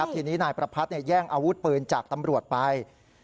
ทีนี้นายประพัทธแย่งอาวุธปืนจากตำรวจไป